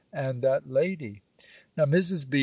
and that lady. Now Mrs. B.